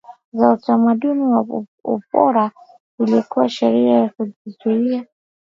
za utamaduni wa Uropa zilikuwa sheria kujizuia